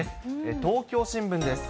東京新聞です。